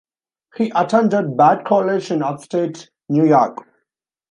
He attended Bard College in upstate New York.